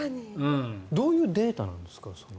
どういうデータなんですか？